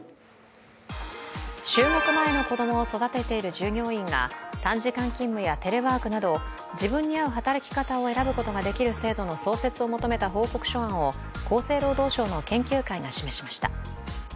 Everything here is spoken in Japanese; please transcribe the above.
就学前の子供を育てている従業員が短時間勤務やテレワークなど自分に合う働き方を選ぶことができる制度の創設を求めた報告書案を厚生労働省の研究会が示しました。